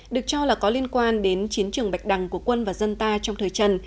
được cho là có liên quan đến chiến trường bạch đằng của quân và dân ta trong thời trần